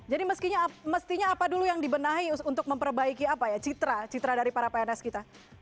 jadi mestinya apa dulu yang dibenahi untuk memperbaiki apa ya citra citra dari para pns kita